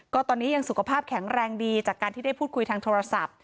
ก็ตอนนี้ยังสุขภาพแข็งแรงดีจากการที่ได้พูดคุยทางโทรศัพท์